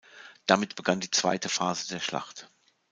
Damit begann die zweite Phase der Schlacht.